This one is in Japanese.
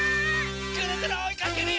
ぐるぐるおいかけるよ！